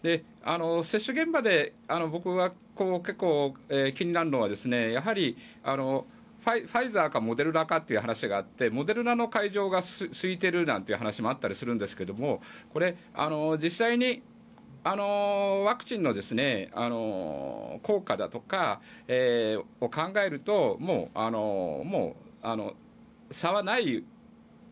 接種現場で僕は結構、気になるのはやはりファイザーかモデルナかという話があってモデルナの会場がすいているなんていう話もあったりするんですけれども実際にワクチンの効果だとかを考えるともう差はない。